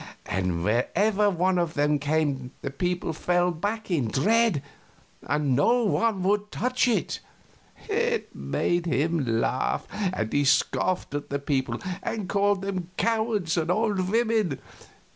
And wherever one of them came the people fell back in dread, and no one would touch it. It made him laugh, and he scoffed at the people and called them cowards and old women.